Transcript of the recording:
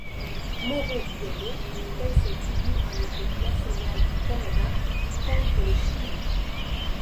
Mauro Biello fait ses débuts en équipe nationale du Canada le contre le Chili.